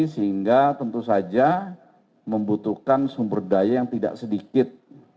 sehingga tentu saja membutuhkan sumber daya yang tidak sedikit